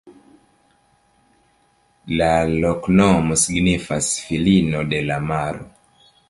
La loknomo signifas: filino de la maro.